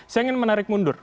saya ingin menarik mundur